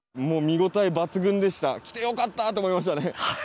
もう見応え抜群でした、来てよかったって思いましたね。